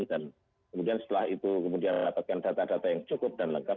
dan kemudian setelah itu kemudian mendapatkan data data yang cukup dan lengkap